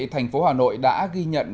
thành phố hà nội đã ghi nhận